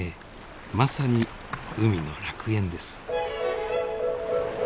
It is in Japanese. まさに海の楽園です。